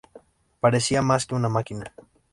Parecía más que una máquina.